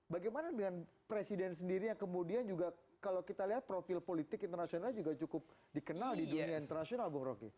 bagaimana dengan presiden sendiri yang kemudian juga kalau kita lihat profil politik internasional juga cukup dikenal di dunia internasional bung roky